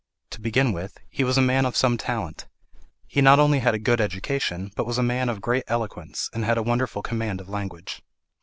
To begin with, he was a man of some talent. He not only had a good education, but was a man of great eloquence, and had a wonderful command of language.